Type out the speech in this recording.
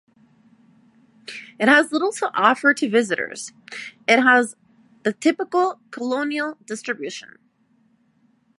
It has little to offer to visitors, it has the typical colonial distribution.